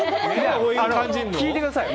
聞いてくださいよ